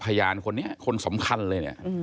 พญานคนนี้คนสำคัญเลย